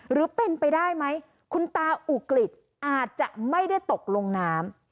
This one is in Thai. หรือเป็นไปได้ไหมคุณตาอุกฤษอาจจะไม่ได้ตกลงน้ำ